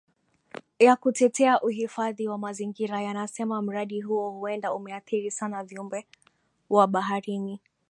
ya kutetea uhifadhi wa mazingira yanasema mradi huo huenda umeathiri sana viumbe wa baharini